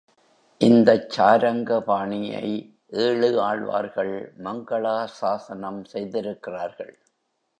இந்தச் சாரங்கபாணியை ஏழு ஆழ்வார்கள் மங்களா சாஸனம் செய்திருக்கிறார்கள்.